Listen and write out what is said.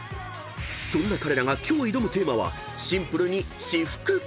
［そんな彼らが今日挑むテーマはシンプルに］